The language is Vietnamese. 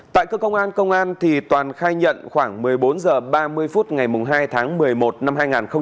tại cơ công an công an thì toàn khai nhận khoảng một mươi bốn h ba mươi phút ngày hai tháng một mươi một năm hai nghìn hai mươi hai